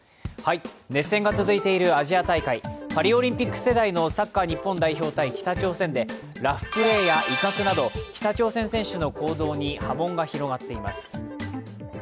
熱戦が続いているアジア大会、パリオリンピック世代のサッカー日本代表対北朝鮮戦でラフプレーや威嚇など北朝鮮選手の行動に波紋が広がっています。